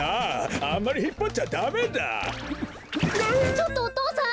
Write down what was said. ちょっとお父さん。